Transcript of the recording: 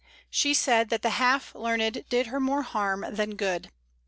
She said that the half learned did her more harm than good.